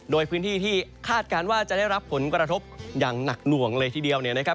โดยพื้นที่ที่คาดการณ์ว่าจะได้รับผลกระทบอย่างหนักหน่วงเลยทีเดียวเนี่ยนะครับ